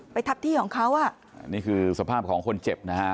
ไปทับที่ของเขานี่คือสภาพของคนเจ็บนะฮะ